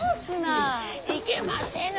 いけませぬ。